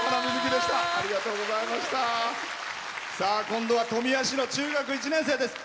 今度は富谷市の中学１年生です。